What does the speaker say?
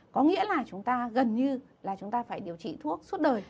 có nghĩa là chúng ta gần như là chúng ta phải điều trị thuốc suốt đời